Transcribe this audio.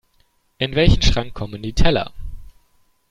In welchen Schrank kommen die Teller?